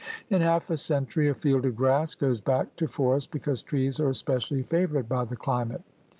In half a century a field of grass goes back to forest because trees are especially favored by the climate.